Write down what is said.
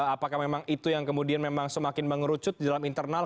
apakah memang itu yang kemudian memang semakin mengerucut di dalam internal